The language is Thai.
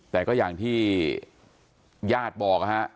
แต่ก็อย่างที่ญาติบอกนะฮะ